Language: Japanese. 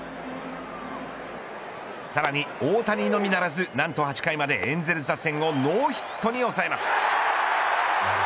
さらに大谷のみならず、何と８回までエンゼルス打線をノーヒットに抑えます。